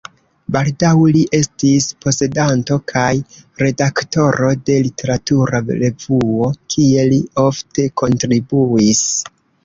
Baldaŭ li estis posedanto kaj redaktoro de literatura revuo, kie li ofte kontribuis.